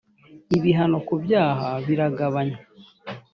ibihano ku byaha biragabanywa .